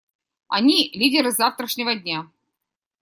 Они — лидеры завтрашнего дня.